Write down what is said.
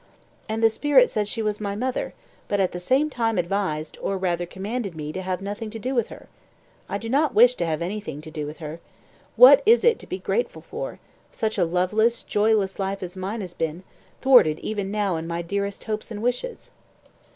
"And the spirit said she was my mother, but at the same time advised, or rather commanded me to have nothing to do with her. I do not wish to have anything to do with her. What is it to be grateful for such a loveless, joyless life as mine has been thwarted even now in my dearest hopes and wishes."